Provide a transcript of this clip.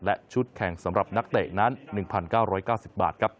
และชุดแข่งสำหรับนักเตะนั้น๑๙๙๐บาทครับ